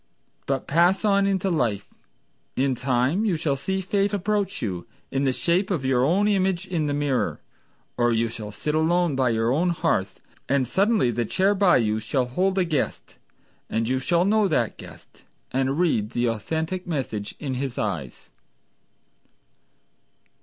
But pass on into life: In time you shall see Fate approach you In the shape of your own image in the mirror; Or you shall sit alone by your own hearth, And suddenly the chair by you shall hold a guest, And you shall know that guest And read the authentic message of his eyes.